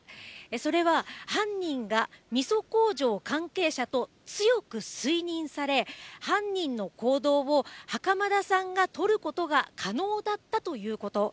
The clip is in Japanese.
それは、犯人がみそ工場関係者と強く推認され、犯人の行動を袴田さんが取ることが可能だったということ。